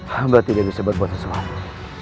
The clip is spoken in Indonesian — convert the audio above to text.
yang berarti dia bisa berbuat sesuatu